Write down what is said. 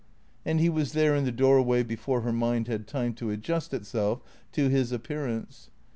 And he was there in the doorway before her mind had time to adjust itself to his ap pearance.